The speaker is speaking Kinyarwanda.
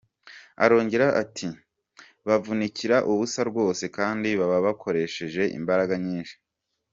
Arongera ati :”Bavunikira ubusa rwose kandi baba bakoresheje imbaraga nyinshi.